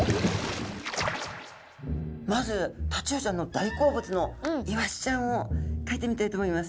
まずタチウオちゃんの大好物のイワシちゃんをかいてみたいと思います。